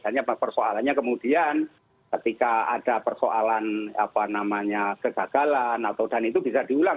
hanya persoalannya kemudian ketika ada persoalan apa namanya kegagalan atau dan itu bisa diulang